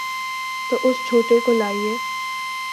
تو اس چھوٹے کو لائیے۔